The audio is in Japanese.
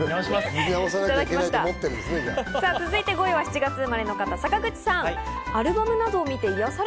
続いて５位は７月生まれの方、坂口さん。